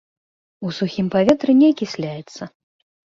У сухім паветры не акісляецца.